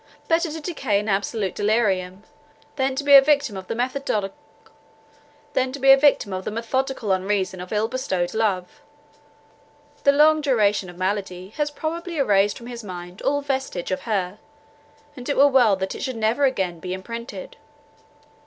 Better to decay in absolute delirium, than to be the victim of the methodical unreason of ill bestowed love. The long duration of his malady has probably erased from his mind all vestige of her; and it were well that it should never again be imprinted.